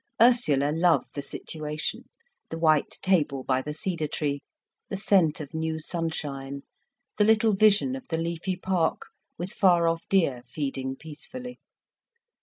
Ursula loved the situation, the white table by the cedar tree, the scent of new sunshine, the little vision of the leafy park, with far off deer feeding peacefully.